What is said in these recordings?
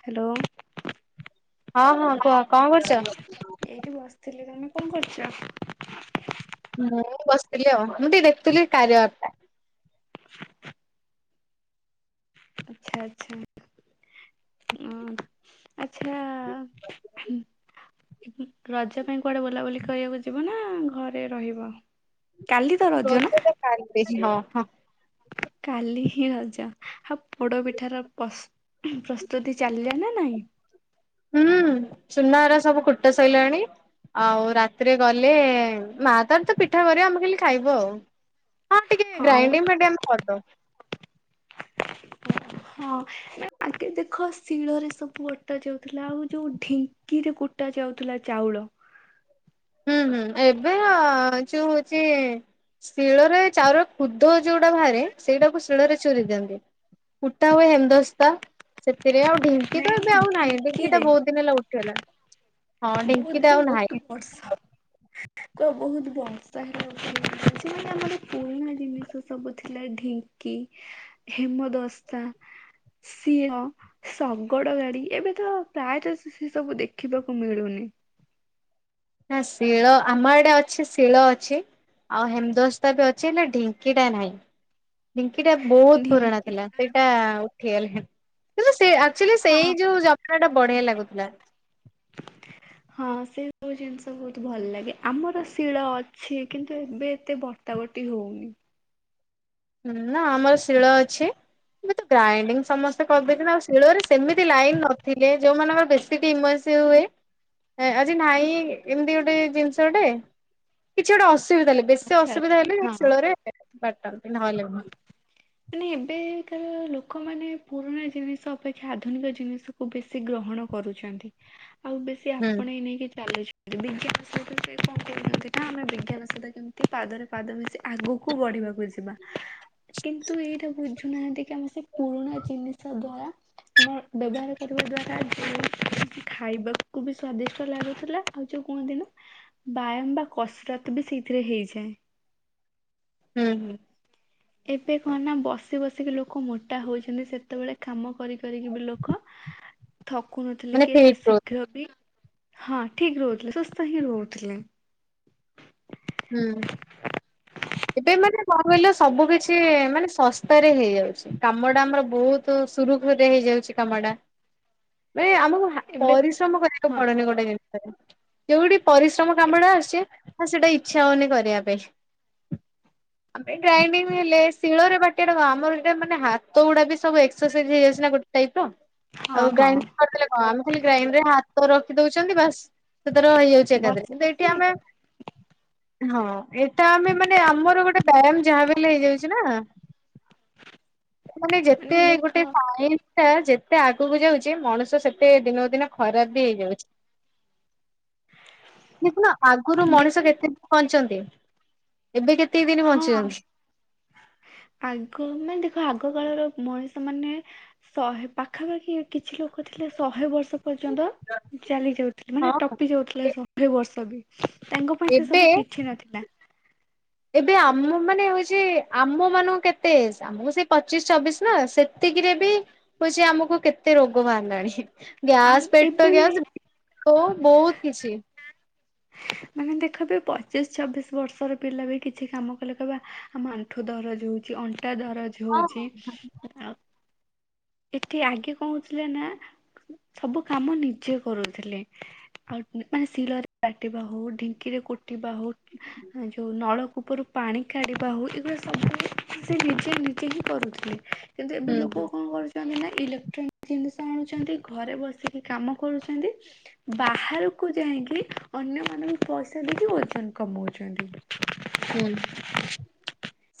Hello ହଁ ହଁ କୁହ କଣ କରୁଛ? ଏଇଠି ବସିଥିଲି ତମେ କଣ କରୁଛ? ହଁ ବସିଥିଲି ମୁଁ ବି ଦେଖୁଥିଲି କାରିଆ ଆପ ଟା। ଆଚ୍ଛା ଆଚ୍ଛା ଅ [unintelligible] ଆଚ୍ଛା ଆ ରଜ ପାଇଁ କୁଆଡ଼େ ବୁଲାବୁଲି କରିବାକୁ ଯିବ ନା ଘରେ ରହିବ? କାଲି ତ ରଜ ନା? ପ୍ରୋଦତ କାଲି ହଁ ହଁ କାଲି ହିଁ ରଜ ଆଉ ପୋଡ ପିଠାର ପ୍ର ପ୍ରସ୍ତୁତି ଚାଲିଲା ନା ନାଇଁ? ହୁଁ ଚୁନାହାରା ସବୁ କୁଟା ସରିଲାଣି ଆଉ ରାତିରେ ଗଲେ ମା ତାର ତ ପିଠା କରିବା ଆମେ ଖାଲି ଖାଇଵୁ ଆଉ। ହଁ ଟିକେ ଗ୍ରାଇଦିଂ ଫୋଟୋ ହଁ ନା ଆଗେ ଦେଖ ଶିଳରେ ସବୁ ବଟା ଯାଉଥିଲା ଆଉ ଯୋଉ ଢିଙ୍କିରେ କୁଟା ଯାଉଥିଲା ଚାଉଳ ହୁଁ ହୁଁ ଏବେ ଯୋଉ ହଉଛି ଶିଳରେ ଚାଉଳ କୁଦ ଯୋଉଟା ବାହାରେ ସେଇଟାକୁ ଶିଳରେ ଚୁରି ଦିଅନ୍ତି କୁଟା ହୁଏ ହେମଦସ୍ତା ସେଥିରେ ଆଉ ଢିଙ୍କି ନାଇଁ ତ ଏବେ ଆଉ ନାଇଁ ଢିଙ୍କି ଟା ଢିଙ୍କିରେ ବହୁତ ଦିନ ହେଲା ଉଠି ଉଠିଗଲା ହଁ ଢିଙ୍କି। ଟା ଆଉ ନାହିଁ। ବହୁତୁ ବର୍ଷ ତ ବୋହୁତ ବର୍ଷା ହେଲା ଯେ ଆମର ପୁରୁଣା ଜିନିଷ ସବୁ ଥିଲା ଢିଙ୍କି ହେମଦସ୍ତା ସିଅ ଶଗଡ ଗାଡି, ଏବେ ତ ପ୍ରାୟତଃ ସେ ସବୁ ଦେଖିବାକୁ ମିଳୁନି। ନା ଶିଳ ଆମ ଆଡେ ଅଛି ଶିଳ ଅଛି ଆଉ ହେମଦସ୍ତା ବି ଅଛି ହେଲେ ଢିଙ୍କି ଟା ନାହିଁ ଢି ଏଇଟା ବୋହୁତ ପୁୁରଣା ଢିଙ୍କି ଥିଲା। ସେଇଟା ହେୟଲ ହେ କିନ୍ତୁ ସେ ଆଚୋଲ୍ଲୀ ସେଇ ହଁ ଯୋଉ ଯା ସେଟା ବଢିଆ ଲାଗୁଥିଲା। ହଁ ସେ ସବୁ ଜିନିଷ ବୋହୁତ ଭଲ ଲାଗେ, ଆମର ଶିଳ ଅଛି କିନ୍ତୁ ଏବେ ଏତେ ବଟା ବର୍ଟି ହୋଉନି। ନା ଆମର ଶିଳ ଅଛି, ଏବେ ତ ଗ୍ରାଇଣ୍ଡିଙ୍ଗ ସମସ୍ତେ କରଦଉଛନ୍ତି ଆଉ ଶିଳରେ ସେମିତି ଲାଇନ ନଥିଲେ ଯୋଉ ମାନଙ୍କର ବେଶୀକି ଇମଜେ ହୁଏ, ଆ ଆଜି ନାହିଁ ଏମତି ଗୋଟେ ଜିନିଷ ଟେ କିଛି ଗୋଟେ ଅସୁ ବିଧା ହେଲେ ବେଶି ଆଚ୍ଛା ଅସୁବିଧା ଆଚ୍ଛା ହେଲେ ହଁ। ଶୀଳରେ ଏ ବାଟନ ନହେଲେ ମାନେ ଏବେକାର ଲୋକମାନେ ପୁରୁଣା ଜିନିଷ ଅପେକ୍ଷା ଆଧୁନିକ ଜିନିଷକୁୁ ବେଶୀ ଗ୍ରହଣ କରୁଛନ୍ତି। ଆଉ ବେଶୀ ହୁଁ ଆପଣେଇ ନେଇକି ଚାଲୁ ବିଜ୍ଞାନ ସହିତ ସେ କଣ କରୁଚନ୍ତି ନା ଆମେ ବିଜ୍ଞାନ ସହିତ କେମତି ପାଦରେ ପାଦ ମିଶି ଆଗକୁ ବଢିବାକୁ ଯିବା କି ବୁଝୁନାହାନ୍ତି କି ଆମେ ସେ ପୁରୁଣା ଜିନିଷ ଦ୍ଵାରା ଆମ ବ୍ୟବହାର କରିବା ଦ୍ଵାରା ଯେଉଁ ଖାଇବାକୁ ବି ସ୍ଵାଦିଷ୍ଟ ଲାଗୁଥିଲା ଆଉ ଯୋଉ କୁହନ୍ତି ନା ବାୟାମ ବା କସରତ ବି ସେଇଥିରେ ହେଇଯାଏ। ହୁଁ ହୁଁ। ଏବେ କହ ନା ବସି ବସିକି ଲୋ ଲୋକ ମୋଟା ହୋଉଛନ୍ତି ସେତେବେଳେ କାମ କରି କରିକି ବି ଲୋକ ଥକୁ ନଥିଲେ ମାନେ କି ଏତେ ଫିଟ୍ ଶୀଘ୍ର ବି ହଁ ଠିକ ରହୁଥିଲେ ସୁସ୍ଥ ହିଁ ରହୁଥିଲେ। ହୁଁ ଏବେ ମାନେ କଣ କହିଲ ସବୁ କିଛି ମାନେ ଶସ୍ତାରେ ହେଇଯାଉଛି କାମଟା ଆମର ବୋହୁତ ସୁରୁଖୁରୁରେ ହେଇଯାଉଛି କାମଟା। ମାନ ଆମକୁ ଏବେ ପରିଶ୍ରମ କରିବାକୁ ହଁ ପଡୁନି ଗୋଟେ ଜିନିଷରେ। ଯୋଉଟି ପରିଶ୍ରମ ଏ- କାମ ଟା ଆସୁଚି ହଁ ସେଟା ଇଛା ହୋଉନି କରିବା ପାଇଁ, ଗ୍ରାଇଡିଙ୍ଗ ହେଲେ ଶିଳରେ ବାଟିବା ଟା କ ଆମର ଏଟା ମାନେ ହାତ ଗୁଡା ବି ସବୁ ଏକ୍ସରସାଇଜ ହେଇ ଯାଉଛି ନା ଗୋଟେ ଟାଇପ ର। ହଁ ଆଉ ଗ୍ରାଇଣ୍ଡ ହଁ କରିଦେଲେ କଣ ଆମେ ଖାଲି ଗ୍ରାଇଣ୍ଡରେ ହା ତ ରଖି ଦୋଉଛନ୍ତି ବାସ ସେ ତାର ହେଇଯାଉଛି ଏକା ଥରେ ବସି କିନ୍ତୁ ଏଠି ବସି ଆମେ ହଁ ଏଟା ଆମେ ମାନେ ଆମର ଗୋଟେ ବ୍ୟାୟାମ ଯାହା ବି ହେଲେ ହେଇ ଯାଉଛି ନା। ମାନେ ଯେତେ ଗୋଟେ ପାଏ। ତା ଯେତେ ଆଗୁକୁ ଯାଉଚି ମଣିଷ ସେତେ ଦିନକୁ ଦିନ ଖରାପ ବି ହେଇଯାଉଚି। [inaudible] ଦେଖୁନ ଆଗରୁ ଦେ ମଣିଷ କେତେ ପଞ୍ଚନ୍ତି ଏବେ କେତେ ଦିନ ହଁ ବଞ୍ଚିଯାଉଛି। ଆଗ ମାନେ ଆଗ ଦେଖ କାଳର ମଣିଷ ମାନେ ଶହେ ପାଖାପାଖି କିଛି ଲୋକ ଥିଲେ ଶହେ ବର୍ଷ ପର୍ଯ୍ୟନ୍ତ ଚାଲି ଯାଉଥିଲା ମାନେ ହଁ। ଟପି ଯାଉଥିଲା ସହେ ବର୍ଷ ବି [inaudible] ତାଙ୍କ ପାଇଁ ସେ ଏବେ ସବୁ କିଛି ନଥିଲା। ଏବେ ଆମ ମାନେ ହଉଛି ଆମ ମାନଙ୍କୁ କେତେ ଆମକୁ ସେଇ ପଚିଶ ଛବିଶ ନା ସେତିକିରେ ବି ହଉଛି ଆମକୁ କେତେ ରୋଗ ବାହାରିଲାଣି। ଆ ଗ୍ୟାସ ପେଟ ଏବେ ବି ଗ୍ୟାସ ହ ବହୁତ କିଛି ମାନେ ଦେଖ ବି ପଚିଶ ଛବିଶ ବର୍ଷର ପିଲା ବି କିଛି କାମ କଲେ କହିବେ ଆମ ଆଣ୍ଠୁ ଦରଜ ହଉଛି ଅଣ୍ଟା ଟା ଦରଜ ହଁ। ହଉଚ ଆଉ ଏଠି ଆଗେ କହୁଥିଲେ ନା ସବୁ କାମ ନିଜେ କରୁଥିଲେ ଆଉ ମାନେ ଶିଳରେ କାଟିବା ହଉ ଢିଙ୍କିରେ କୁଟିବା ହଉ ଯୋଉ ନଳକୂ ଉପରୁ ପାଣି କାଢିବା ହଉ ଏଗୁଡା ସବୁ ସେ ନିଜେ ନିଜେ ହିଁ କରୁଥିଲେ। କିନ୍ତୁ ଏବେ ହୁଁ ଲୋକ ହୁଁ କଣ କରଛି? ମାନେ ନା ଇଲେକ୍ଟ୍ରୋନିକ୍ ଜିନିଷ ଆଣୁଛନ୍ତି ଘରେ ବସିକି କାମ କରୁଛନ୍ତି ବାହାରକୁ ଯାଇକି ଅନ୍ୟମାନଙ୍କୁ ପଇସା ଦେଇକି ଓଜନ କମଉଛନ୍ତି। ହୁଁ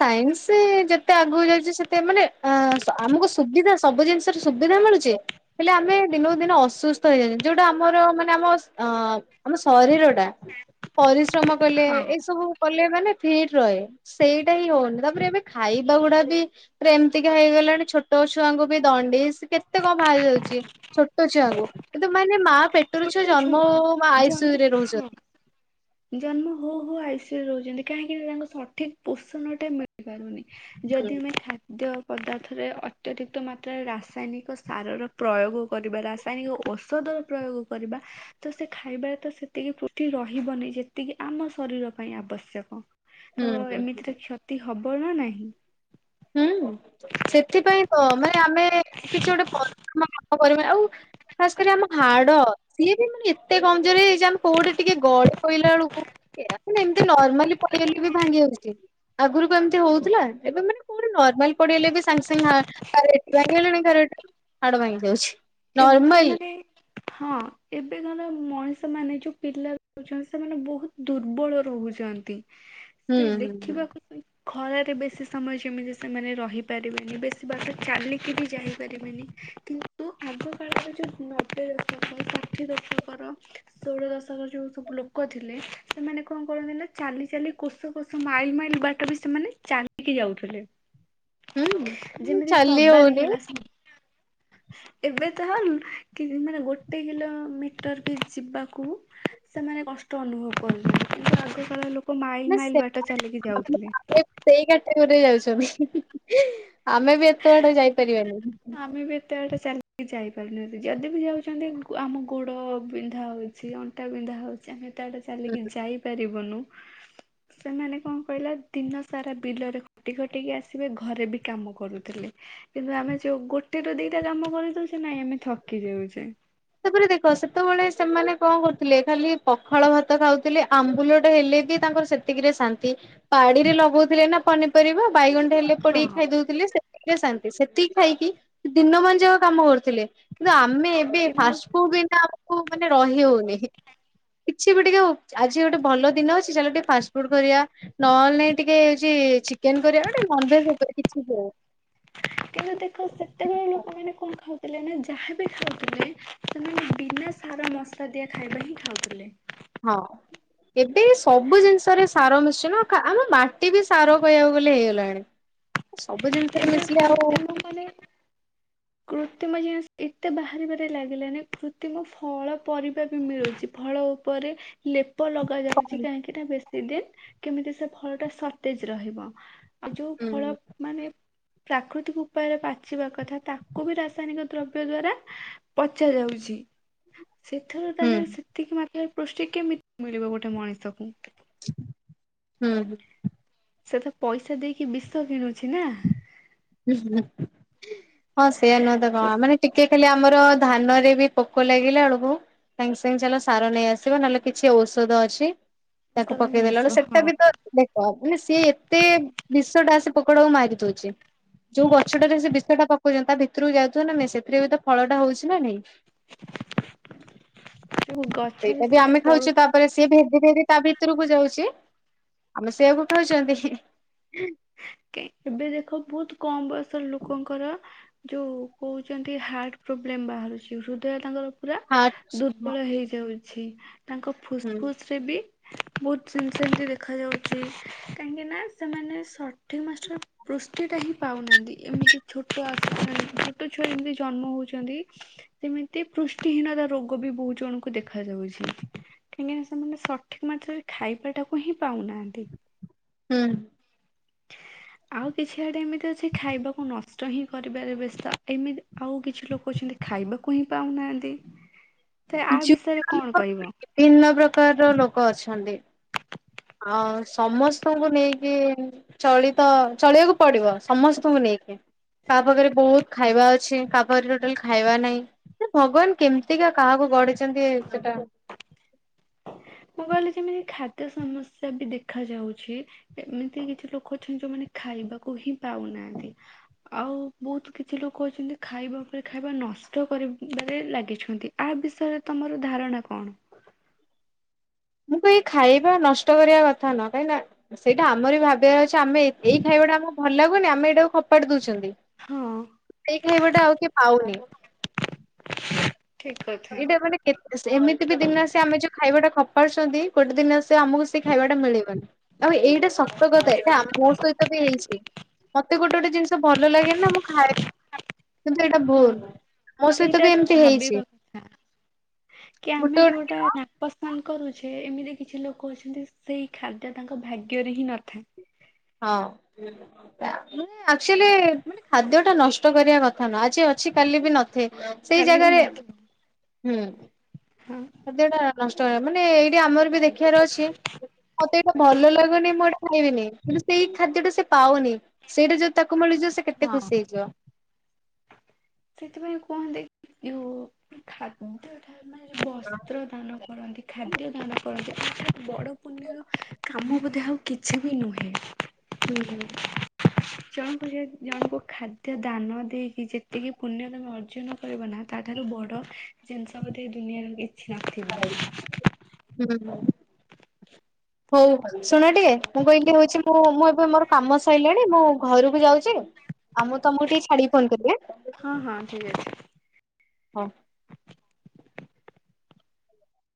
ସାଇନ୍ସ ଯେତେ ଆଗକୁ ଯାଉଛି ସେତେ ମାନେ ଆମକୁ ସୁବିଧା ସବୁ ଜିନିଷରେ ସୁବିଧା ମିଳୁଛି ହେଲେ ଆମେ ଦିନକୁ ଦିନ ଅସୁସ୍ଥ ହେଇଯାଉଛେ ଯୋଉଟା ଆମର ମାନେ ଆମ ଅ ଆମ ଶରୀର ଟା ପରିଶ୍ରମ କଲେ ହଁ ଏସବୁ ମାନେ ଫିଟ ରହେ ସେଇଟା ହିଁ ହଉନି ତାପରେ ଏବେ ଖାଇବା ଗୁଡା ବି ଏମିତିକା ହେଇଗଲାଣି ଛୋଟ ଛୁଆଙ୍କୁ ବି ଦଣ୍ଡିସ କେତେ କଣ ବାହାରି ଯାଉଛି ଛୋଟ ଛୁଆଙ୍କୁ କିନ୍ତୁ ମାନେ ମା ପେଟରୁ ଛୋଟ ଛୁଆ ଜନ୍ମ ହଉ ଛୁଆଙ୍କୁ ହଉ ଆଇ ସି ଜନ୍ମ ୟୁ ରେ ହଁ ରହୁଛନ୍ତି। ଜନ୍ମ ହଉ ହଉ ଆଇ ସି ୟୁ ରେ ରହୁଛନ୍ତି କାହିଁକି ନା ତାଙ୍କ ସଠିକ ପୋଷଣ ଟା ମିଳିପାରୁନି ଯଦି ଆମେ ଖାଦ୍ୟ ପଦାର୍ଥରେ ଅତ୍ୟଧିକ ମାତ୍ରାରେ ରାସାୟନିକ ସାରର ପ୍ରୟୋଗ କରିବା ରାସାୟନିକ ଔଷଧର ପ୍ରୟୋଗ କରିବା ତ ସେ ଖାଇବାରେ ତ ସେତିକି କ ରହିବନି ଯେତିକି ଆମ ଶରୀର ପାଇଁ ଆବଶ୍ୟକ ହୁଁ ତ ହୁଁ। ଏମିତିରେ କ୍ଷତି ହବ ନା ନାହିଁ। ହୁଁ। ସେଥିପାଇଁ ତ ମାନେ ଆମେ କିଛି ଗୋଟେ ପ ଆଉ ଖାସ କରି ଆମ ହାଡ ସିଏ ବି ମାନେ ଏତେ କମଜୋର ହେଇଯାଇଛି ଆମେ କୋଉଟେ ଟିକେ ଗଳି କୋଇଲା ବେଳକୁ ମାନେ ଏମତି ନର୍ମାଲି ପଳେଇଲେ ବି ଭାଙ୍ଗି ଯାଉଛି ଆଗରୁକୁ ଏମିତି ହଉଥିଲା ଏବେ ମାନେ ଫୁଣୀ ନର୍ମାଲ ପଡିଲେ ବି ସାଙ୍ଗେ ସାଙ୍ଗେ କାହାର ଏଠି ଭାଙ୍ଗିଗଲେଣି କାହାର ହାଡ ଭାଙ୍ଗି ଯାଉଛି ଏବେ ନର୍ମାଲ ମାନେ ହଁ ଏବେ ମାନେ। ମଣିଷ ମାନେ ଯୋଉ ପିଲା ରହୁଛନ୍ତି ସେମାନେ ବହୁତ ଦୁର୍ବଳ ରହୁଛନ୍ତି। ହୁଁ ସେ ହୁଁ ଦେଖିବାକୁ ସ ଖରାରେ ବେଶୀ ସମୟ ଯେମିତି ସେମାନେ ରହିପାରିବେନି ବେଶୀ ବାଟ ଚାଲିକି ବି ଯାଇପାରିବେନି କିନ୍ତୁ ଆଗ କାଳରେ ଯୋଉ ନବେ ଦଶକ ଷାଠିଏ ଦଶକର ଷୋଳ ଦଶକ ଯୋଉ ସବୁ ଲୋକ ଥିଲେ ସେମାନେ କଣ କରନ୍ତି ନା ଚାଲି ଚାଲି କୋଷ କୋଷ ମାଇଲ ମାଇଲ ବାଟ ବି ସେମାନେ ଚାଲିକି ଯାଉଥିଲେ। ହୁଁ ଯେମିତି ଚାଲି ସବାରି ହଉନି। ହେଲା ଏବେ ତାହା କି ମାନେ ଗୋଟେ କିଲୋମିଟର ବି ଯିବାକୁ ସେମାନେ କଷ୍ଟ ଅନୁଭବ କରୁଛନତି କିନ୍ତୁ ଆଗ କାଳ ଲୋକ ମାଇଲ ନା ମାଇଲ ବାଟ ସେମାନେ ଚାଲିକି ଆମେ ଯାଉଥିଲେ। ଆମେ ସେଇ ଯାଉଛନ୍ତି ଆମେ ବି ଏତେ ବାଟ ଯାଇପାରିବାନି। ଆମେ ବି ଏତେବେଟେ ଚାଲି ଯାଇପାରିବାନି ଯଦି ବି ଯାଉଛନ୍ତି ଆମ ଗୋଡ ବିନ୍ଧା ହଉଛି ଅଣ୍ଟା ବିନ୍ଧା ହଉଛି ଆମେ ଏତେ ବାଟ ହୁଁ। ଚାଲିକି ଯାଇପାରିବୁନୁ। ସେମାନେ କଣ କହିଲେ ଦିନ ସାରା ବିଲରେ ଖଟି ଖଟିକି ଆସିବେ ଘରେ ବି କାମ କରୁଥିଲେ କିନ୍ତୁ ଆମେ ଯୋଉ ଗୋଟେ ର ଦିଟା କାମ କରିଦଉଛେ ନାଇଁ ଆମେ ଥକି ଯାଉଛେ। ତାପରେ ଦେଖ ସେତେବେଳେ ସେମାନେ କଣ କରୁଥିଲେ ଖାଲି ପଖାଳ ଭାତ ଖାଉଥିଲେ ଆମ୍ବୁଲଟା ହେଲେ ବି ତାଙ୍କର ସେତିକିରେ ଶାନ୍ତି ପାଡିରେ ଲଗଉଥିଲେ ନା ପନିପରିବା ବାଇଗଣ ହେଲେ ହଁ ପୋଡିକି ଖାଇଦୋଉଥିଲେ ଶାନ୍ତି ସେତିକି ଖାଇକି ଦିନମାନ ଯାକ କାମ କରୁଥିଲେ କିନ୍ତୁ ଆମେ ଏବେ ତେଣୁ ଫାଷ୍ଟ ଫୁଡ ବିନା ଆମକୁ ମାନେ ରହି ହଉନି କିଛି ବି ଟିକେ ଆଜି ଗୋଟେ ଭଲ ଦିନ ଅଛି ଚାଲ ଟିକେ ଫାଷ୍ଟ ଫୁଡ କରିବା ନହେଲେ ନାଇଁ ଟିକେ ହଉଛି ଚିକେନ କରିବା ଗୋଟେ ନନଭେଁଜେ ଉପରେ କିଛି ହୋଉ ହେଲେ ନା ଯାହାବି ଖାଉଥିଲେ ସେମାନେ ବିନା ସାର ମସଲା ଦିଆ ଖାଇବା ହିଁ ଖାଉଥିଲେ। ହଁ ଏବେ ସବୁ ଜିନିଷରେ ସାର ମିଶଛି ନା ଆମ ମାଟି ବି ସାର କହିବାକୁ ଗଲେ ହେଇଗଲାଣି ସବୁ ଜିନିଷରେ ଏବେ ମିଶିକି ଆଉ କୃତ୍ରିମ ସଵୁ ଜିନିଷ ଏତେ ବାହାରିବାରେ ଲାଗିଲାନି କୃତିମ ଫଳ ପରିବା ବି ମିଳୁଛି ଫଳ ଉପରେ ଲେ ରୂପ ଲଗା ଯାଉଛି କଣ କାହିଁକି ନା ବେଶୀ ଦିନ କେମିତି ସେ ଫଳ ଟା ସର୍ଟେଜ ରହିବ। ଆଉ ଯୋଉ ହୁଁ ଫଳ ମାନେ ପ୍ରାକୃତିକ ଉପାୟରେ ପାଚିବା କଥା ତାକୁ ବି ରାସାୟନିକ ଦ୍ରବ୍ୟ ଦ୍ଵାରା ପଚା ଯାଉଛି। ସେଥିରୁ ହୁଁ ତାହେଲେ ସେତିକି ମାପ ପୃଷ୍ଟି କେମିତି ମିଳିବ ଗୋଟେ ମଣିଷକୁ ହୁଁ ହୁଁ ସେ ତ ପଇସା ଦେଇକି ବିଶ୍ୱ କିଣୁ ହଁ ସେଇଆ ନୁହେଁ ତ କଣ ମାନେ ଟିକେ ଖାଲି ଆମର ଧାନରେ ବି ପୋକ ଲାଗିଲା ବେଳକୁ ସାଙ୍ଗେ ସାଙ୍ଗେ ଚାଲ ସାର ନେଇ ଆସିବ ନହେଲେ କିଛି ଔଷଧ ଅଛି ତାକୁ ମସଲା ନେଇ ପକେଇଦେଲା ଆସିବ ସେଟା ହଁ। ବି ତ ଦେ ଅଭ ମାନେ ସିଏ ଏତେ ବିଷ ଟା ଆସି ପକୋଡାକୁ ମାରି ଛି ଯୋଉ ଗଛଟାରେ ସେ ବିଷ ଟା ପକଉଛନ୍ତି ତା ଭିତରକୁ ଯାଉଥିବ ନା ନାଇଁ ସେଥିରେ ବି ତ ଫଳ ଟା ହଉଛି ନା ନାଇଁ ଯୋଉ ଗଛରେ ସେଇଟା ବି ସେଟା ଆମେ ଖାଉଛେ ପଳୁ ତାପରେ ସିଏ ଭ ଦିରେ ଦିି ତା ଭିତରକୁ ଯାଉଛି ଆମେ ସେଆକୁ ଖାଉଛନ୍ତି ଏବେ ଦେଖ ବହୁତ କମ ବୟସର ଲୋକଙ୍କର ଯୋଉ କହୁଛନ୍ତି ହାର୍ଟ ପ୍ରୋବ୍ଲେମ ବାହାରୁଛି ହୃଦୟ ତାଙ୍କର ପୁରା ହାର୍ଟ ଦୁର୍ବଳ ହେଇଯାଉ ଛି ତାଙ୍କ ହୁଁ ଫୁସଫୁସ ରେ ବି ବହୁତ ସେମିତି ସେମିତି ଦେଖା ଯାଉଛି କାହିଁକି ନା ସେମାନେ ସ ସଠିକ ମାଷ୍ଟରେ ପୃଷ୍ଟି ଟା ହିଁ ପାଉନାହାନ୍ତି ଏମିତି ଛୋଟ ଆ ଛୋଟ ଛୁଆ ଏମିତି ଜନ୍ମ ହଉଛନ୍ତି ସେମିତି ପୃଷ୍ଟିହୀନତା ରୋଗ ବି ବହୁତ ଜଣଙ୍କୁ ଦେଖ ଯାଉଛି କାହିଁକି ସେମାନେ ସଠିକ ମାତ୍ରରେ ଖାଇବାଟାକୁ ହିଁ ପାଉନାହାନ୍ତି। ହୁଁ ଆଉ କିଛି ଆଡେ ଏମିତି ଅଛି ଖାଇବାକୁ ନଷ୍ଟ ହିଁ କରିବାରେ ବ୍ୟସ୍ତ ଏମିତି ଆଉ କିଛି ଲୋକ ଅଛନ୍ତି ଖାଇବାକୁ ହିଁ ପାଉନାହାନ୍ତି। ତ ଆ ଯୁ ବିଷୟରେ କଣ କହିବ କ ଅଛନ୍ତି। ଆ ସମସ୍ତଙ୍କୁ ନେଇକି ଚଳିତ ଚଳିବାକୁ ପଡିବ ସମସ୍ତଙ୍କୁ ନେଇକି କାହା ପାଖରେ ବହୁତ ଖାଇବା ଅଛି କାହା ପାଖରେ ଟୋଟାଲ ଖାଇବା ନାହିଁ ଯେ ଭଗବାନ କେମିତିକା କାହାକୁ ଗଢିଛନ୍ତି ସେଟା ମୁଁ କହିଲି ଯେମିତି ଖାଦ୍ୟ ସମସ୍ୟା ବି ଦେଖ ଯାଉଛି ଏମିତି କିଛି ଲୋକ ଅଛନ୍ତି ଯୋଉମାନେ ଖାଇବାକୁ ହିଁ ପାଉନାହାନ୍ତି ଆଉ ବହୁତ କିଛି ଲୋକ ଅଛନ୍ତି ଖାଇବା ଉପରେ ଖାଇବା ନଷ୍ଟ କରିବାରେ ଲାଗିଛନ୍ତି ଆ ବିଷୟରେ ତମର ଧାରଣା କଣ? ମୁଁ କ ଏଇ ଖାଇବା ନଷ୍ଟ କରିବା କଥା ନ କାହିଁକିନା ସେଇଟା ଆମର ବି ଭାବିବା ଅଛି ଆମେ ଏଇ ଖାଇବାଟା ଆମକୁ ଭଲ ଲାଗୁନି ଆମେ ଏଇଟାକୁ ଖପାଟ ଦଉଛନ୍ତି ହଁ [inaudible] ସେଇ ଖାଇବାଟା ଆଉ କିଏ ପାଉନି। ଠିକ କଥା ଏଇଟା ମାନେ କେତେ ଏମିତି ବି ଦିନ ଆସେ ଆମେ ଯୋଉ ଖାଇବା ଟା ଖ ପାରୁଛନ୍ତି ଗୋଟେ ଦିନ ଆସ ଆମକୁ ସେ ଖାଇବାଟା ମିଳିବନି। ଆଉ ଏଇଟା ସତ କଥା ଏଇଟା ମୋ ସହିତ ବି ହେଇଛି। ମତେ ଗୋଟେ ଗୋଟେ ଜିନିଷ ଭଲ ଲାଗେ ନା ମୁଁ ଖାଏ କିନ୍ତୁ ଏଇଟା ହଁ ଭୁଲ ମୋ ସହିତ ସେଇଟା ବି ତ ଏମିତି ହେଇଛି। ଭାବିବା କଥା। କି ଗୋଟେ ଆମେ ଗୋଟେ ଯୋଉଟା ଦିନ ନାପସନ୍ଦ କରୁଛେ ଏମିତି କିଛି ଲୋକ ଅଛନ୍ତି ସେଇ ଖାଦ୍ୟ ତାଙ୍କ ଭାଗ୍ୟରେ ହିଁ ନଥାଏ। ହଁ ମାନେ ଏକ୍ଟୁଆଲୀ ମାନେ ଖାଦ୍ୟ ଟା ନଷ୍ଟ କରିବା କଥା ନୁହଁ ଆଜି ଅଛି କାଲି ବି ନଥାଏ। ସେଇ କାଲି ବି ଜାଗାରେ ନଥିବ ହୁଁ ହଁ। ଖାଦ୍ୟଟା ନଷ୍ଟ ମାନେ ଏଇଟା ଆମର ବି ଦେଖିବାର ଅଛି ମତେ ଏଇଟା ଭଲ ଲାଗୁନି ମୁଁ ଏଇଟା ଖାଇବିନି। କିନ୍ତୁ ସେଇ ଖାଦ୍ୟ ଟା ସେ ପାଉନି ସେଇଟା ଯୋଉ ତା ମିଳିଯିବ ସେ କେତେ ହଁ। ଖୁସି ହେଇଯିବ। ସେଥିପାଇଁ କୁହନ୍ତି ଯଉ ଖା କୁହନ୍ତି। ମାନେ ବସ୍ତ୍ର ଦାନ କରନ୍ତି ଖାଦ୍ୟ ଦାନ କରନ୍ତି। ବଡ ପୁଣ୍ୟର କାମ ବୋଧେ ଆଉ କିଛି ବି ନୁହେଁ। ହୁଁ। ଜଣ ଜେହେତୁ ଜଣଙ୍କୁ ଖାଦ୍ୟ ଦାନ ଦେଇକି ଯେତିକି ପୁଣ୍ୟ ତମେ ଅର୍ଜନ କରିବ ନା ତା ଠାରୁ ବଡ ଜିନିଷ ବୋଧେ ଏ ଦୁନିଆରେ କି ଛି ନଥିବ। ହଉ ଶୁଣ ଟିକେ ମୁଁ କହିଲି ହଉଛି ମୁଁ ମୁଁ ଏବେ ମୋର କାମ ସରିଲାଣି ମୁଁ ଘରକୁ ଯାଉଛି ଆଉ ମୁଁ ତମକୁ ଟିକେ ଛାଡିକି ଫୋନ କରିବି। ହଁ ହଁ ଠିକ୍ ଅଛି। ହଁ।